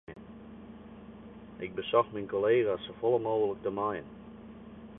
Ik besocht myn kollega's safolle mooglik te mijen.